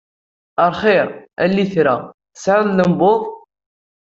A lxiṛ, a litra, tesɛiḍ llembuḍ!